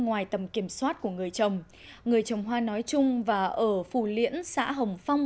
và bị đầm kiểm soát của người trồng người trồng hoa nói chung và ở phủ liễn xã hồng phong